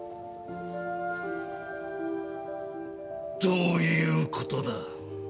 どういうことだ？